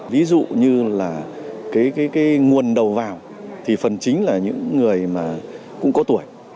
ví dụ như là cái nguồn đầu vào thì phần chính là những người mà cũng có tuổi